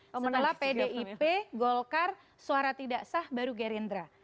setelah pdip golkar suara tidak sah baru gerindra